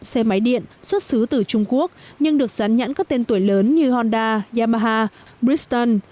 xe máy điện xuất xứ từ trung quốc nhưng được gián nhãn các tên tuổi lớn như honda yamaha briston